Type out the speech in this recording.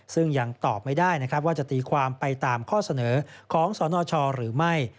ซึ่งยังตอบไม่ได้นะครับว่าจะตีความไปตามข้อเสนอของสนชหรือไม่